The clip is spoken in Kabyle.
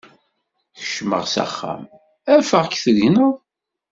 Kecmeɣ s axxam, afeɣ-k tegneḍ.